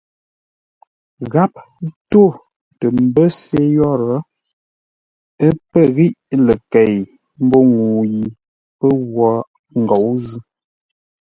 Gháp tó tə mbə́ se yórə́, ə́ pə̂ ghíʼ ləkei mbó ŋuu yi pə́ wo ngǒu zʉ́.